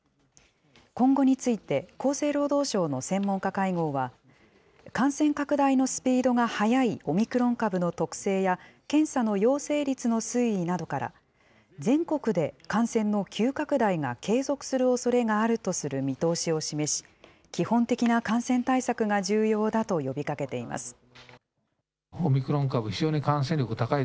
今後について、厚生労働省の専門家会合は、感染拡大のスピードが速いオミクロン株の特性や、検査の陽性率の推移などから、全国で感染の急拡大が継続するおそれがあるとする見通しを示し、基本的な感染対策が重要だと呼びかけています。